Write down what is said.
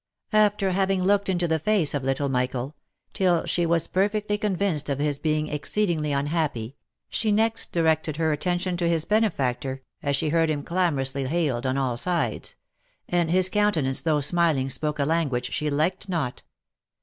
After having looked into the face of little Michael, till she was perfectly convinced of his being exceedingly unhappy, she next di rected her attention to his benefactor, as she heard him clamorously hailed on all sides ; and his countenance, though smiling, spoke a language she liked not.